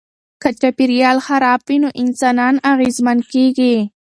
که چاپیریال خراب وي نو انسانان اغېزمن کیږي.